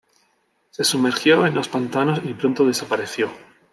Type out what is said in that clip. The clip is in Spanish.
Se sumergió en los pantanos y pronto desapareció.